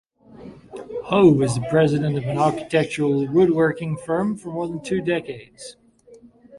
Hoe was the president of an architectural woodworking firm for more than two decades.